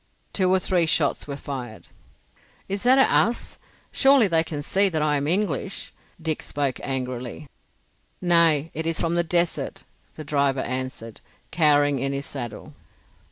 Two or three shots were fired. "Is that at us? Surely they can see that I am English," Dick spoke angrily. "Nay, it is from the desert," the driver answered, cowering in his saddle.